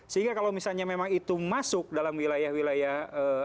sehingga kalau misalnya memang itu masuk dalam wilayah wilayah